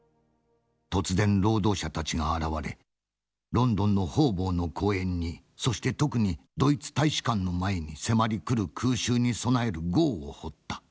突然労働者たちが現れロンドンの方々の公園にそして特にドイツ大使館の前に迫りくる空襲に備える壕を掘った。